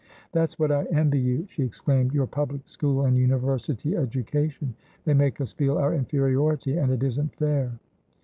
"That's what I envy you," she exclaimed, "your public school and University education! They make us feel our inferiority, and it isn't fair."